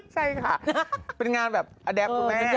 ใช่ค่ะเป็นงานแบบอแดฟคุณแม่